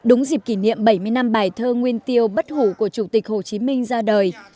đúng dịp kỷ niệm bảy mươi năm bài thơ nguyên tiêu bất hủ của chủ tịch hồ chí minh ra đời